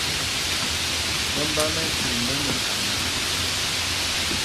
Thɛmb ā ɛ́ ɛ́ til mɛ mɛkaná.